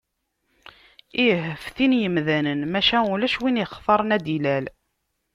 Ih, ftin yemdanen, maca ulac win yextaren ad d-ilal.